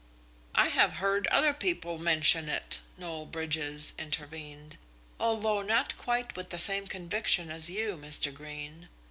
"I have heard other people mention it," Noel Bridges intervened, "although not quite with the same conviction as you, Mr. Greene.